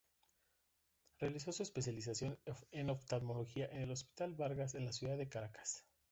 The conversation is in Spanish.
Realizó su especialización en oftalmología en el Hospital Vargas en la ciudad de Caracas.